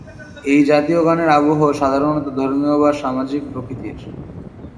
এই জাতীয় গানের আবহ সাধারণত ধর্মীয় বা সামাজিক প্রকৃতির।